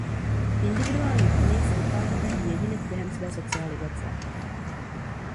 Individuální paměť si utváří každý jedinec během své socializace.